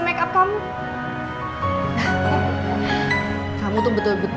makasih bagus banget